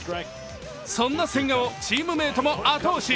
そんな千賀をチームメイトも後押し。